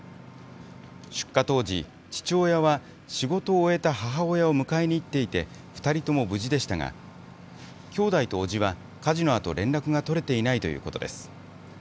出火当時、父親は仕事を終えた母親を迎えに行っていて、２人とも無事でしたが、兄弟と伯父は火事のあと、連絡が取れていないということです。